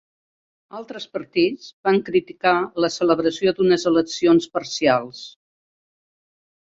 Altres partits van criticar la celebració d'unes eleccions parcials.